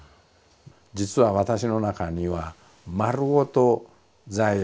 実は私の中には丸ごと罪悪